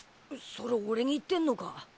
それ俺に言ってんのか？